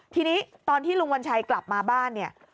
ทีนี้ตอนที่ลุงวัญชัยกลับมาบ้านเนี่ย